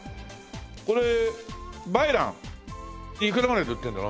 これ梅蘭いくらぐらいで売ってるの？